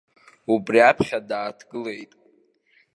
Убри аԥхьа дааҭгылеит.